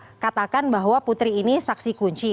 terus dikatakan bahwa putri ini saksi kunci